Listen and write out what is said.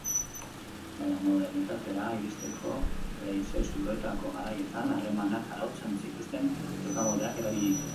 Baina modernitatera iristeko, leize-zuloetako garaietan harremanak arautzen zituzten jokamoldeak erabili ditu.